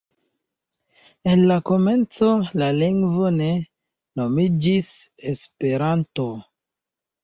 En la komenco la lingvo ne nomiĝis Esperanto.